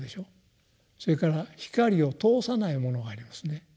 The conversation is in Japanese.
それから光を通さないものがありますね。